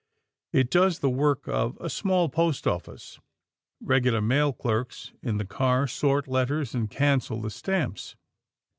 It does the work of a small post office. Regular mail clerks in the car sort letters and cancel the stamps.